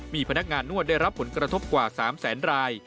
มีพนักงานนวดได้รับผลกระทบกว่า๓แสนราย